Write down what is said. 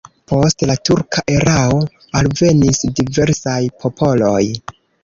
Post la turka erao alvenis diversaj popoloj.